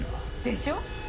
でしょ？